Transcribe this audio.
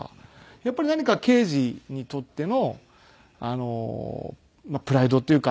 やっぱり何か刑事にとってのプライドっていうか。